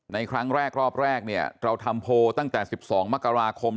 ในครั้งแรกรอบแรกเนี่ยเราทำโพลตั้งแต่๑๒มกราคม